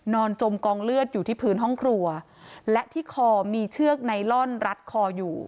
จมกองเลือดอยู่ที่พื้นห้องครัวและที่คอมีเชือกไนลอนรัดคออยู่